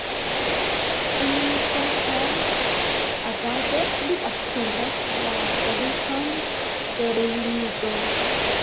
En faka agado li akcentas la gravecon de rejunigo.